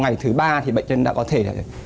ngày thứ ba bệnh nhân đã có thể